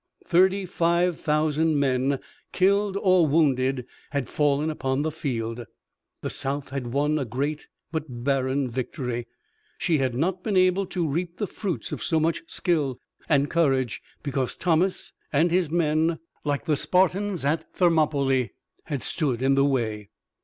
Thirty five thousand men, killed or wounded, had fallen upon the field. The South had won a great but barren victory. She had not been able to reap the fruits of so much skill and courage, because Thomas and his men, like the Spartans at Thermopylae, had stood in the way.